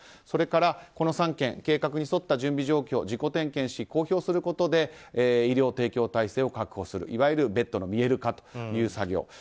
それからこの３県計画に沿った準備状況を自己点検し、公表することで医療提供体制を確保するいわゆるベッドの見える化という作業。